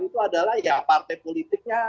itu adalah ya partai politiknya